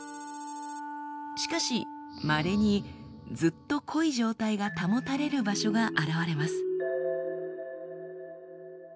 しかしまれにずっと濃い状態が保たれる場所が現れます。